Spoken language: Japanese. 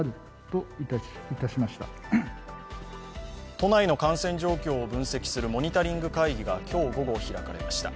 都内の感染状況を分析するモニタリング会議が今日午後、開かれました。